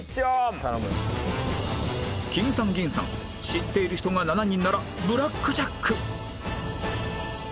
知っている人が７人ならブラックジャック！